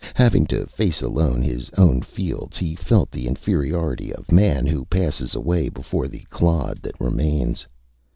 Having to face alone his own fields, he felt the inferiority of man who passes away before the clod that remains.